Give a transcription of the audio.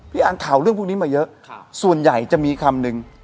อ่านข่าวเรื่องพวกนี้มาเยอะส่วนใหญ่จะมีคำนึง